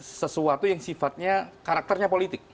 ini adalah sesuatu yang sifatnya karakternya politik